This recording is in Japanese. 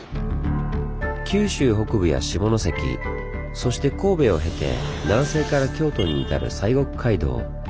九州北部や下関そして神戸を経て南西から京都に至る西国街道。